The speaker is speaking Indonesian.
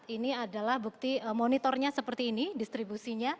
ini adalah bukti monitornya seperti ini distribusinya